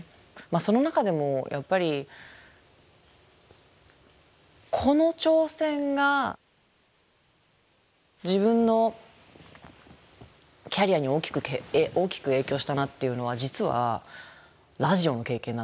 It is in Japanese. その中でもやっぱりこの挑戦が自分のキャリアに大きく影響したなっていうのは実はラジオの経験なんですよね。